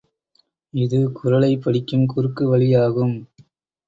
இது குறளைப் படிக்கும் குறுக்கு வழியாகும்.